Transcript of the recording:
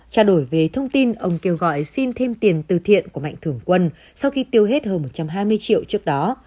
trao đổi về thông tin ông kêu gọi xin thêm tiền từ thiện của mạnh thường quân sau khi tiêu hết hơn một trăm hai mươi triệu trước đó